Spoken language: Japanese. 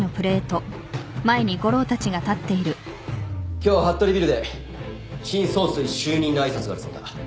今日ＨＡＴＴＯＲＩビルで新総帥就任の挨拶があるそうだ。